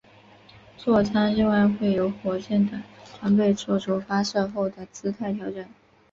坐舱另外会有火箭等装备作出发射后的姿态调整。